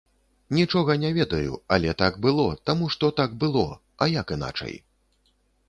Нічога не ведаю, але так было, таму што так было, а як іначай.